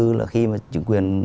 nhà đầu tư là khi mà trứng quyền